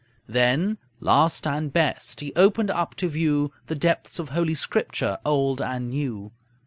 Then, last and best, he opened up to view The depths of Holy Scripture, Old and New.